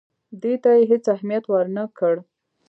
دې ته یې هېڅ اهمیت ورنه کړ.